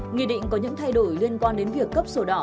nghị định có những thay đổi liên quan đến việc cấp sổ đỏ